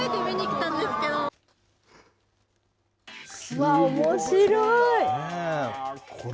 うわー、おもしろい。